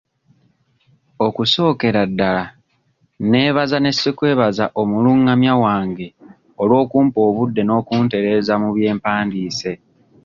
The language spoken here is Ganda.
Okusookera ddala neebaza ne ssekwebaza omulungamya wange olw'okumpa obudde n'okuntereeza mu bye mpandiise.